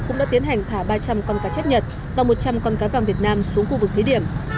cũng đã tiến hành thả ba trăm linh con cá chép nhật và một trăm linh con cá vàng việt nam xuống khu vực thí điểm